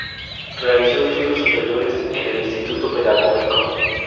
Realizó estudios superiores en el Instituto Pedagógico.